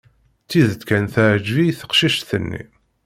Tidet kan, teɛǧeb-iyi teqcict-nni.